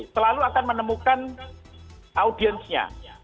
selalu akan menemukan audiensnya